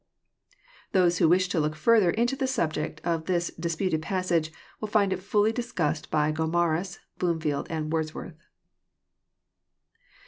Those who wish to look Airther into the subject of this dis puted passage will find it fhlly discussed by Gomarus, Bloom field, and Wordsworth.